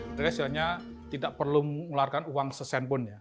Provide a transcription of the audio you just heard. mereka istilahnya tidak perlu mengeluarkan uang sesenpun ya